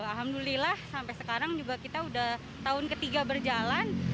alhamdulillah sampai sekarang juga kita udah tahun ketiga berjalan